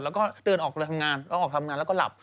แล้วก็เดินออกเลยทำงานแล้วก็รับ